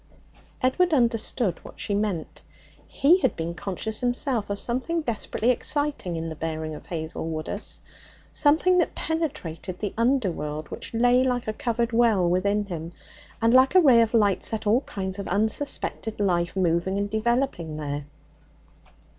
Edward understood what she meant. He had been conscious himself of something desperately exciting in the bearing of Hazel Woodus something that penetrated the underworld which lay like a covered well within him, and, like a ray of light, set all kinds of unsuspected life moving and developing there.